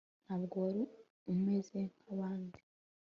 ntabwo wari umeze nkabandi